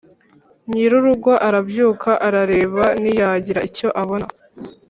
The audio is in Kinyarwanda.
nyir 'urugo arabyuka, arareba ntiyagira icyo abona,